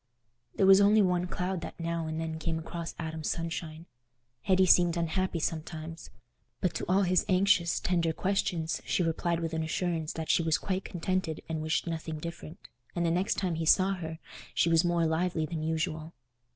There was only one cloud that now and then came across Adam's sunshine: Hetty seemed unhappy sometimes. But to all his anxious, tender questions, she replied with an assurance that she was quite contented and wished nothing different; and the next time he saw her she was more lively than usual.